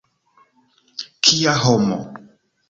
Kia homo!